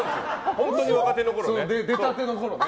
本当に若手のころね。